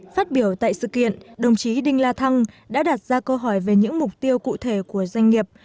phát biểu tại sự kiện đồng chí đinh la thăng đã đặt ra câu hỏi về những mục tiêu cụ thể của doanh nghiệp